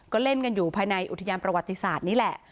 ก็เล่นกันอยู่ภายในอุทยานประวัติศาสตร์นี่แหละ